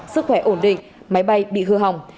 sức khỏe ổn định máy bay bị hư hỏng